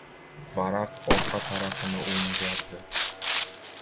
Varaq orqa tarafini o‘ngardi.